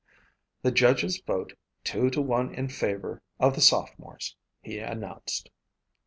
"The judges vote two to one in favor of the sophomores," he announced.